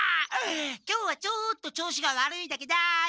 今日はちょっと調子が悪いだけだい！